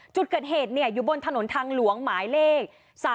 จุดเกิดเหตุอยู่บนถนนทางหลวงหมายเลข๓๔